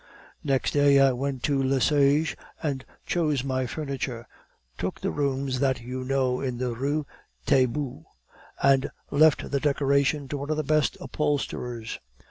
"Next day I went to Lesage and chose my furniture, took the rooms that you know in the Rue Taitbout, and left the decoration to one of the best upholsterers.